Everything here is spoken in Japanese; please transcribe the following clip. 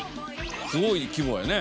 すごい規模やね。